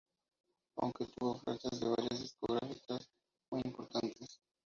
Aunque tuvo ofertas de varias discográficas muy importantes.